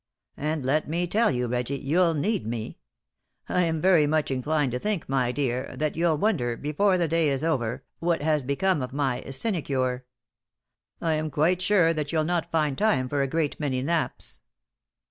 And let me tell you, Reggie, you'll need me. I am very much inclined to think, my dear, that you'll wonder, before the day is over, what has become of my sinecure. I am quite sure that you'll not find time for a great many naps."